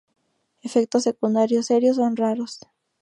Efectos secundarios serios son raros.